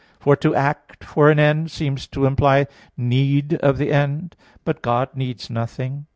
For to act for an end seems to imply need of the end. But God needs nothing.